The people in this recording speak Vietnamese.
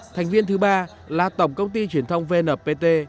thành viên thứ ba là tổng công ty truyền thông vnpt